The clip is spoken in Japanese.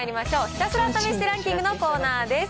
ひたすら試してランキングのコーナーです。